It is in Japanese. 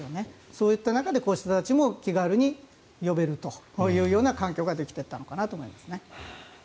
そういった中でこういった人たちも気軽に呼べるような環境ができていったのかなと思います。